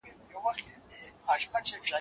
زه اوس د سبا لپاره د يادښتونه بشپړوم!؟